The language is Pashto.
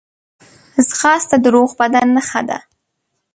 ځغاسته د روغ بدن نښه ده